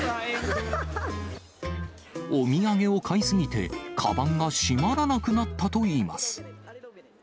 お土産を買い過ぎて、かばんが閉まらなくなったといいます。